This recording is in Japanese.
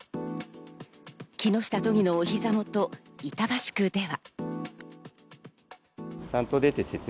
木下都議のお膝元・板橋区では。